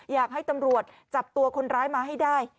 อยากให้ตำรวจจับตัวคนร้ายมาให้ได้